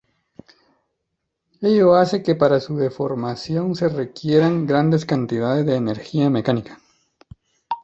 Ello hace que para su deformación se requieran grandes cantidades de energía mecánica.